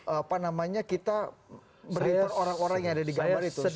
apa namanya kita berinter orang orang yang ada di gambar itu